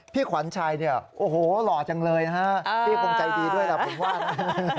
ขวัญชัยเนี่ยโอ้โหหล่อจังเลยนะฮะพี่คงใจดีด้วยล่ะผมว่านะ